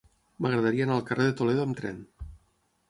M'agradaria anar al carrer de Toledo amb tren.